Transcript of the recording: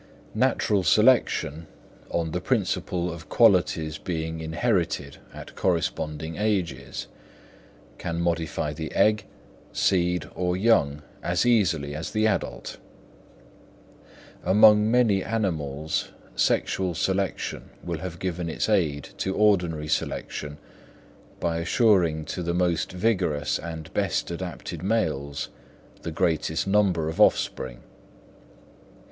Natural selection, on the principle of qualities being inherited at corresponding ages, can modify the egg, seed, or young as easily as the adult. Among many animals sexual selection will have given its aid to ordinary selection by assuring to the most vigorous and best adapted males the greatest number of offspring.